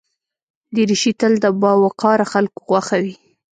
دریشي تل د باوقاره خلکو خوښه وي.